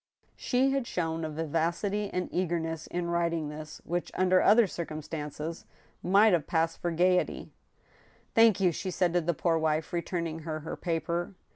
She had shown a vivacity and eagerness in writing this which, under other circumstances, might have passed for gayety. THE TWO WIVES. I47 " Thank you," she said to the poor wife, returning her her paper.